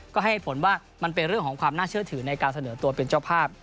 ก็ให้ผลว่ามันเป็นเรื่องของความน่าเชื่อถือในการเสนอตัวเป็นเจ้าภาพ